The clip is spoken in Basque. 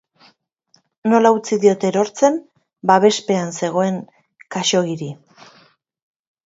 Nola utzi diote erortzen babespean zegoen Khaxoggiri?